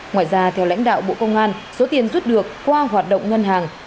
ngoài ra theo lãnh đạo bộ công an số tiền rút được qua hoạt động ngân hàng